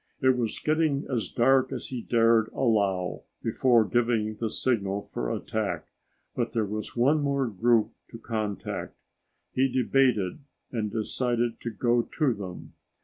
It was getting as dark as he dared allow before giving the signal for attack, but there was one more group to contact. He debated and decided to go to them.